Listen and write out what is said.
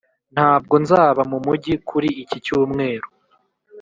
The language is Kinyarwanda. ntabwo nzaba mumujyi kuri iki cyumweru.